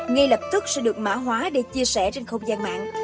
ngay lập tức sẽ được mã hóa để chia sẻ trên không gian mạng